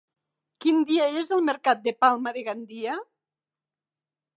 Quin dia és el mercat de Palma de Gandia?